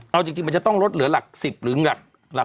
เอาจริงมันจะต้องลดเหลือหลัก๑๐หรือหลัก